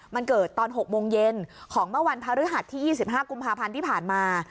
มันเกิดตอน๖โมงเย็นของเมื่อวันพระฤหัสที่๒๕กุมภาพันธ์ที่ผ่านมา